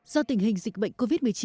do tình hình dịch bệnh covid một mươi chín